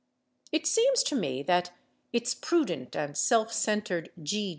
It seems to me that its prudent and self centered G.